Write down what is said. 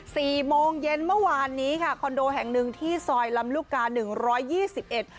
สี่โมงเย็นเมื่อวานนี้ค่ะคอนโดแห่งหนึ่งที่ซอยลำลูกกาหนึ่งร้อยยี่สิบเอ็ด